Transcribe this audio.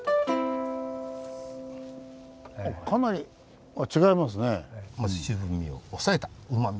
かなり違いますね。